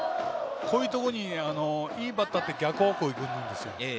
こういうところにいいバッターは逆方向行くんですよ。